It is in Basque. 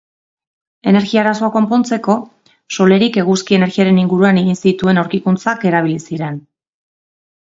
Energia-arazoak konpontzeko, Solerik eguzki-energiaren inguruan egin zituen aurkikuntzak erabili ziren.